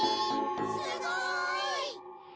すごい！